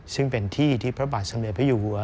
ซึ่งเป็นที่ที่พระบาทสมเด็จพระอยู่หัว